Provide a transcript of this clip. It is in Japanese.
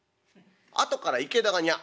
あとから池田が「にゃ」。